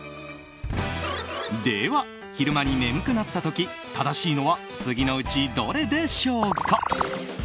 では昼間に眠くなった時正しいのは次のうちどれでしょうか。